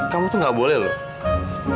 kamu tuh nggak boleh lho